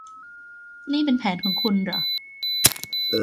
นี่เป็นแผนของคุณหรอ